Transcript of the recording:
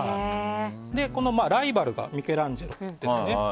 ライバルがミケランジェロですよね。